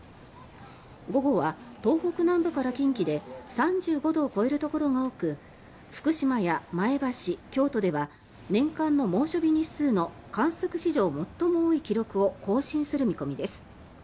午後は東北南部から近畿で３５度を超えるところが多く福島や前橋、京都では年間の猛暑日日数の観測史上最も多い記録を更新する見込みです。